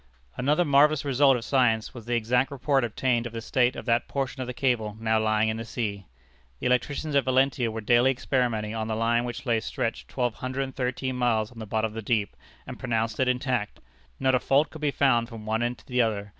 Another marvellous result of science was the exact report obtained of the state of that portion of the cable now lying in the sea. The electricians at Valentia were daily experimenting on the line which lay stretched twelve hundred and thirteen miles on the bottom of the deep, and pronounced it intact. Not a fault could be found from one end to the other.